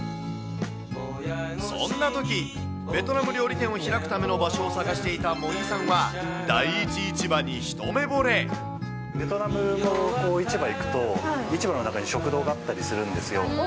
そんなとき、ベトナム料理店を開くための場所を探していた茂木さんは、ベトナムも市場行くと、市場の中に食堂があったりするんですよ。